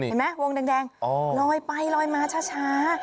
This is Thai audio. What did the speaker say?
เห็นมั้ยวงแดงโดยร้อยไปลอยมาช้า